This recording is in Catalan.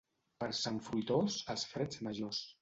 Per Sant Fruitós, els freds majors.